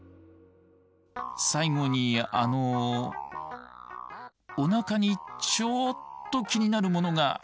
最後にあのおなかにちょっと気になるものが。